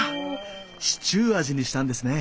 シチュー味にしたんですね！